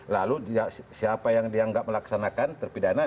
lalu siapa yang dianggap melaksanakan terpidana